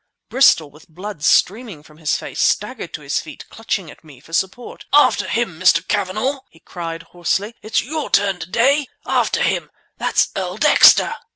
Bristol, with blood streaming from his face, staggered to his feet, clutching at me for support. "After him, Mr. Cavanagh!" he cried hoarsely. "It's your turn to day! After him! That's Earl Dexter!"